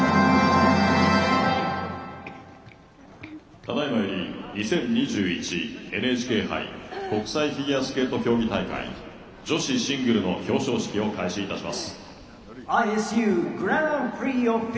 ただいまより２０２１ＮＨＫ杯国際フィギュア競技大会女子シングルの表彰式を開始いたします。